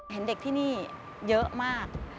เห็นเด็กที่นี่เยอะมาก